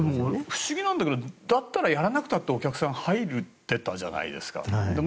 不思議なんだけどだったら、やらなくてもお客さんは入っていたじゃないですか。